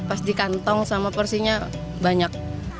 pas di kantong sama porsinya banyak